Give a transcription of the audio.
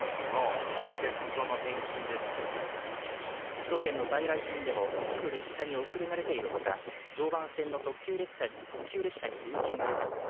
首都圏の在来線でも一部列車に遅れが出ている他、常磐線の特急列車に運休が出ています。